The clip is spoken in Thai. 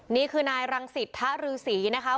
นี่คือนายรังสิตทะรือศรีนะคะ